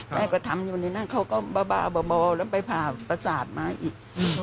แม่ก็ทำอยู่นี่นั่งเขาก็บ้าแล้วไปพาปศาสตร์มาอีก